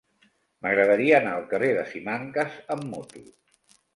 M'agradaria anar al carrer de Simancas amb moto.